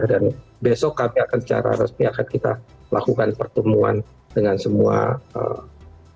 dan besok kami akan secara resmi akan kita lakukan pertemuan dengan semua apa namanya